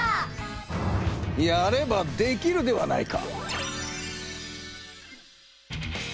やればできるではないか！